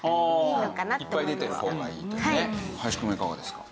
いっぱい出てる方がいいというね。